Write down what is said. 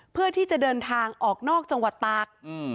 เพื่อที่จะเดินทางออกนอกจังหวัดตาก